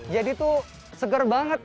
jadi tuh seger banget